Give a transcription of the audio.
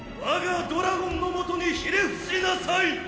我がドラゴンのもとにひれ伏しなさい！